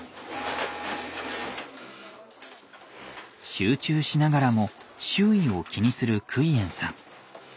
集中しながらも周囲を気にするクイエンさん。